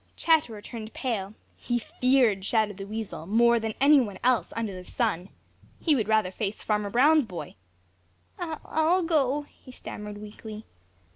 Chatterer turned pale. He feared Shadow the Weasel more than any one else under the sun. He would rather face Farmer Brown's boy. "I—I'll go," he stammered weakly.